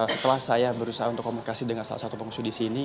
setelah saya berusaha untuk komunikasi dengan salah satu pengungsi di sini